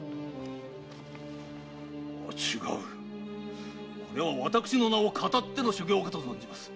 違うこれは私の名を騙っての所業かと存じます。